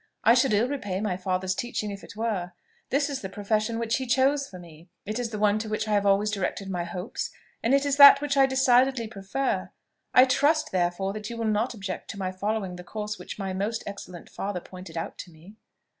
I should ill repay my father's teaching if it were. This is the profession which he chose for me; it is the one to which I have always directed my hopes, and it is that which I decidedly prefer. I trust, therefore, that you will not object to my following the course which my most excellent father pointed out to me."